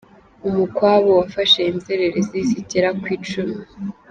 Umukwabo wafashe inzererezi zigera kw’Icumi